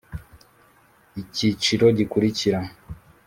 ikiciro gikurikira